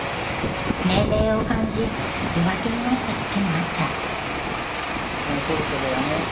年齢を感じ弱気になった時もあった。